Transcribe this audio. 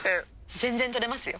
全然取れますよ。